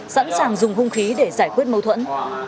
sẵn sàng dùng hung khí để giải quyết mâu thuẫn